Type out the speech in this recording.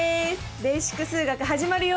「ベーシック数学」始まるよ！